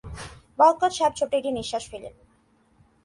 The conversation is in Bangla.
বরকত সাহেব ছোট্ট একটি নিঃশ্বাস ফেললেন।